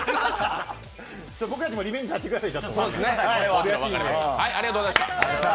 僕たちもリベンジさせてください。